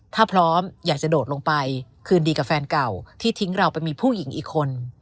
ถ้าพร้อมอยากจะโดดลงไปคืนดีกับแฟนเก่าที่ทิ้งเราไปมีผู้หญิงอีกคน